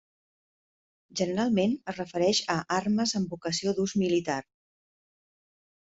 Generalment es refereix a armes amb vocació d'ús militar.